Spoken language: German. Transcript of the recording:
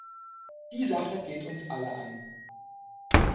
Die Sache geht uns alle an.